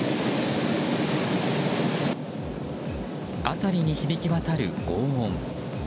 辺りに響き渡るごう音。